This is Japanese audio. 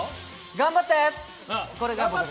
頑張って！